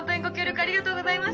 ありがとうございます。